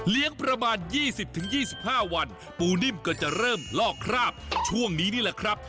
ประมาณ๒๐๒๕วันปูนิ่มก็จะเริ่มลอกคราบช่วงนี้นี่แหละครับ